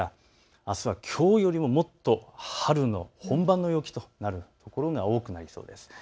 あすはきょうよりももっと春の本番の陽気となる所が多くなりそうです。